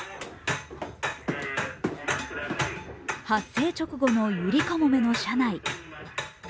発生直後のゆりかもめの車内。